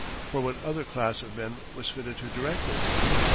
For what other class of men was fitted to direct it?